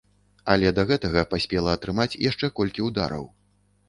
Але да гэтага паспела атрымаць яшчэ колькі ўдараў.